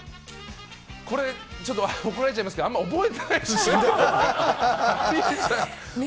これ、ちょっと怒られちゃいますけど、あんま覚えてないんですよね。